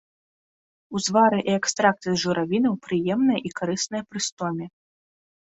Узвары і экстракты з журавінаў прыемныя і карысныя пры стоме.